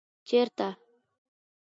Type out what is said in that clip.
ـ چېرته؟